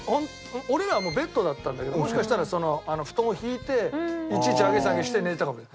俺らはベッドだったんだけどもしかしたら布団を敷いていちいち上げ下げして寝てたかも。